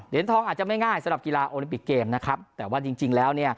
เหรียญทองอาจจะไม่ง่ายสำหรับกีฬาโอลิปิกเกมนะครับแต่ว่าจริงจริงแล้ว